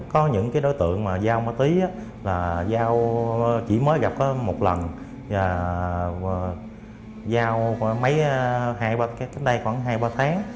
có những đối tượng giao ma túy chỉ mới gặp một lần giao khoảng hai ba tháng